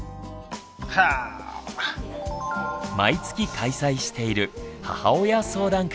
毎月開催している「母親相談会」。